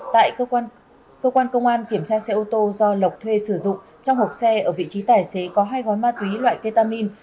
tại cơ quan công an kiểm tra xe ô tô do lộc thuê sử dụng trong hộp xe ở vị trí tài xế có hai gói ma túy loại ketamin